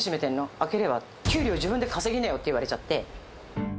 開ければ、給料自分で稼ぎなよって言われちゃって。